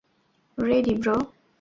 Ready, bro?